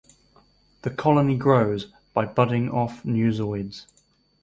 The colony grows by budding off new zooids.